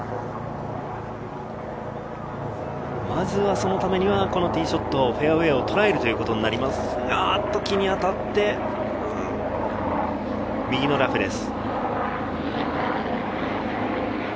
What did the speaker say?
そのためにはまずは、このティーショット、フェアウエーをとらえるということになりますが、木に当たって右のラフです。